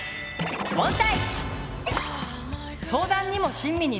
問題！